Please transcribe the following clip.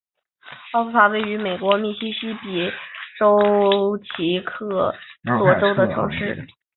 奥科洛纳是一个位于美国密西西比州奇克索县的城市。